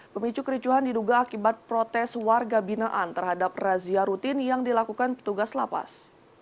pemicu kericuhan diduga akibat protes warga binaan terhadap razia rutin yang dilakukan petugas lapas